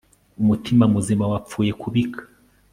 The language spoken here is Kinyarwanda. umutima muzima wapfuye kubika